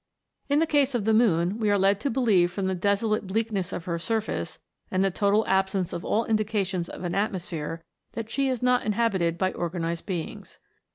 In the case of the moon we are led to believe from the desolate bleakness of her surface, and the total absence of all indications of an atmosphere, that 186 A FLIGHT THROUGH SPACE. she is not inhabited by organized beings.